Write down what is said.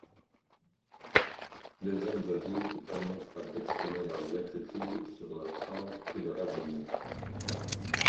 Les jeunes adultes commencent par exprimer leurs inquiétudes sur leur sort et leur avenir.